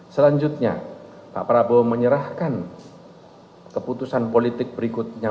selanjutnya pak prabowo menyerahkan keputusan politik berikutnya